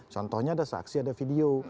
contohnya ada saksi ada video